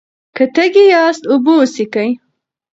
که تږي یاست، اوبه وڅښئ.